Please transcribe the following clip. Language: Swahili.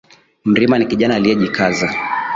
Mrima ni kijana aliyejikaza